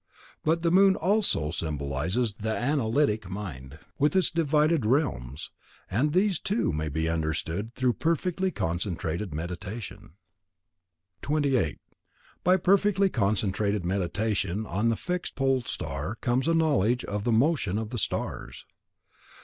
But the moon also symbolizes the analytic mind, with its divided realms; and these, too, may be understood through perfectly concentrated Meditation. 28. By perfectly concentrated Meditation on the fixed pole star comes a knowledge of the motions of the stars.